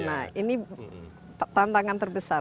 nah ini tantangan terbesar